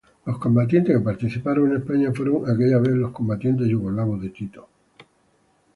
Los combatientes que participaron en España fueron aquella vez los combatientes yugoslavos de Tito.